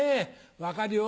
分かるよ